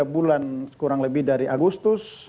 tiga bulan kurang lebih dari agustus